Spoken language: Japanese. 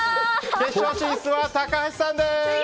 決勝進出は高橋さんです。